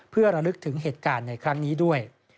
เพื่อระลึกถึงเหตุการณ์ในครั้งนี้ด้วย